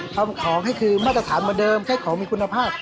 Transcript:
ทำของให้คือมาตรฐานเหมือนเดิมใช้ของมีคุณภาพ